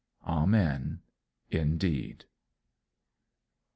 _" Amen, indeed!